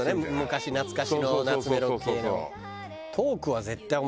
昔懐かしの懐メロ系の。